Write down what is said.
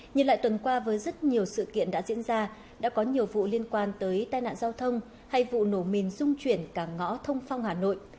nhìn lại tuần qua với rất nhiều sự kiện đã diễn ra đã có nhiều vụ liên quan tới tai nạn giao thông hay vụ nổ mìn dung chuyển cả ngõ thông phong hà nội